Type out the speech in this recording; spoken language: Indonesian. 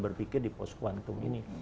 berpikir di post kuantum ini